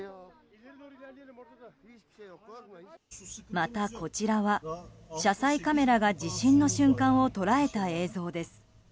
また、こちらは車載カメラが地震の瞬間を捉えた映像です。